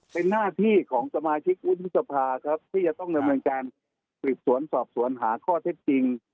เป็นหน้าที่ของสมาชิกวุฒิสภาครับที่จะต้องดำเนินการสืบสวนสอบสวนหาข้อเท็จจริง